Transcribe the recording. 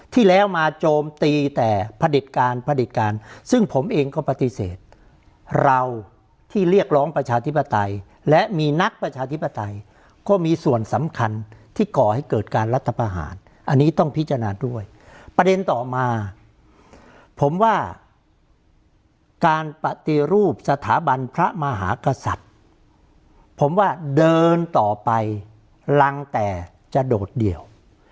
ที่แล้วมาโจมตีแต่ผลิตการผลิตการซึ่งผมเองก็ปฏิเสธเราที่เรียกร้องประชาธิปไตยและมีนักประชาธิปไตยก็มีส่วนสำคัญที่ก่อให้เกิดการรัฐประหารอันนี้ต้องพิจารณาด้วยประเด็นต่อมาผมว่าการปฏิรูปสถาบันพระมหากษัตริย์ผมว่าเดินต่อไปรังแต่จะโดดเดี่ยว